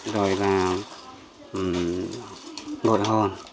rồi là ngồi hồn